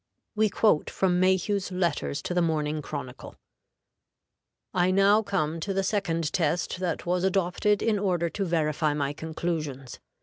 We quote from Mayhew's letters to the Morning Chronicle: "I now come to the second test that was adopted in order to verify my conclusions.